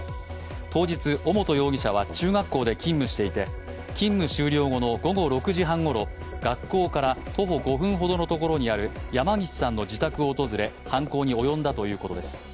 当日、尾本容疑者は中学校で勤務していて、勤務終了後の午後６時半ごろ学校から徒歩５分ほどのところにある山岸さんの自宅を訪れ犯行に及んだということです。